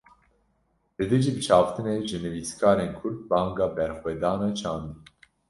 Li dijî bişaftinê, ji nivîskarên Kurd banga berxwedana çandî